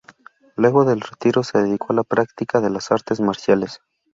Luego del retiro se dedicó a la práctica de las artes marciales.